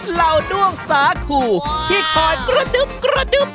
เหล่าด้วงสาคูที่คอยกระดึบ